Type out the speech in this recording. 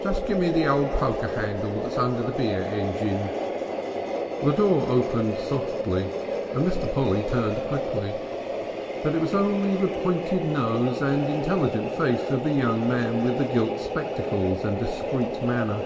"Just gimme the old poker handle that's under the beer engine." The door opened softly and Mr. Polly turned quickly. But it was only the pointed nose and intelligent face of the young man with the gilt spectacles and discreet manner.